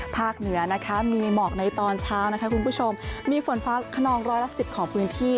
ภาคเหนือมีหมอกในตอนเช้ามีฝนฟ้าขนองร้อยละ๑๐ของพื้นที่